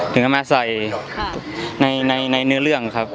ถึงเอามาใส่ในเนื้อเรื่องครับ